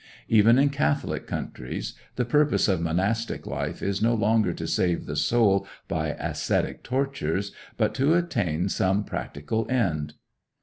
Even in Catholic countries the purpose of monastic life is no longer to save the soul by ascetic tortures, but to attain some practical end.